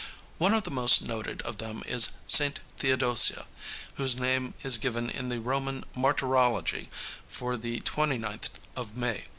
One of the most noted of them is St. Theodosia, whose name is given in the Roman martyrology for the twenty ninth of May.